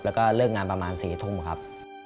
แล้วก็เลิกงานประมาณ๔ทุ่มครับ